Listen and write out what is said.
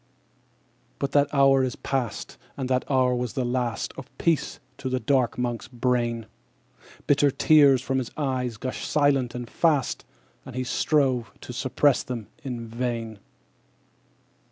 _15 3. But that hour is past; And that hour was the last Of peace to the dark Monk's brain. Bitter tears, from his eyes, gushed silent and fast; And he strove to suppress them in vain.